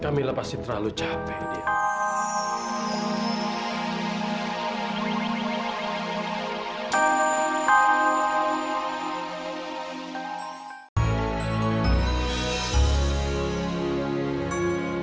kak mila pasti terlalu capek dia